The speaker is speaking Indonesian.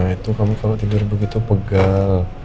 itu kamu kalau tidur begitu pegal